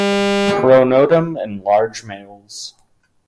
Pronotum in large males.